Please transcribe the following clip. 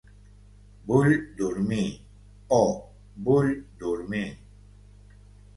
Vull dormir - oh, vull dormir.